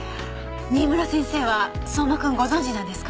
新村先生は相馬君ご存じなんですか？